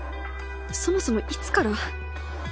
そもそもいつから？